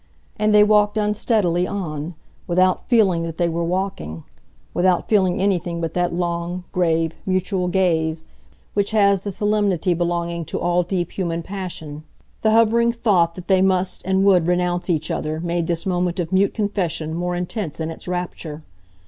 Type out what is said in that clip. And they walked unsteadily on, without feeling that they were walking; without feeling anything but that long, grave, mutual gaze which has the solemnity belonging to all deep human passion. The hovering thought that they must and would renounce each other made this moment of mute confession more intense in its rapture.